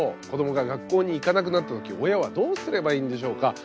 子どもが学校に行かなくなった時親はどうすればいいんでしょうか？